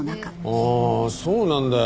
ああそうなんだよ。